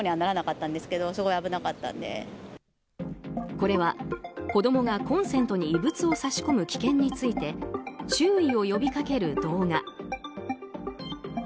これは、子供がコンセントに異物を差し込む危険について注意を呼びかける動画。